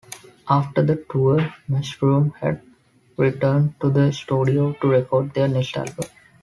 After the tour, Mushroomhead returned to the studio to record their next album.